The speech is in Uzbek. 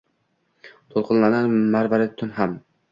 Toʼlqinlanar marvarid tun ham.